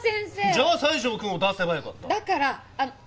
じゃあ西条くんを出せばよかった。